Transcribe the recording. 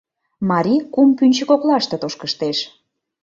Марий кум пӱнчӧ коклаште тошкыштеш.